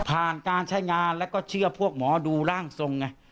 การใช้งานแล้วก็เชื่อพวกหมอดูร่างทรงไง